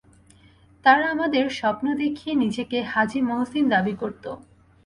তারা আমাদের স্বপ্ন দেখিয়ে নিজেকে হাজী মহসিন দাবি করত।